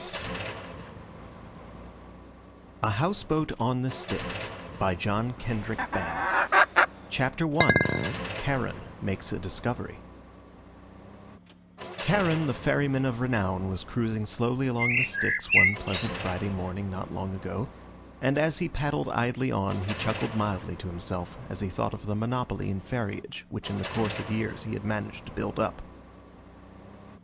uk A HOUSE BOAT ON THE STYX by John Kendrick Bangs CHAPTER I: CHARON MAKES A DISCOVERY Charon, the Ferryman of renown, was cruising slowly along the Styx one pleasant Friday morning not long ago, and as he paddled idly on he chuckled mildly to himself as he thought of the monopoly in ferriage which in the course of years he had managed to build up.